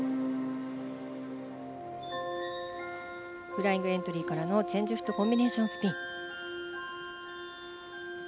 フライングエントリーからのチェンジフットコンビネーションスピン。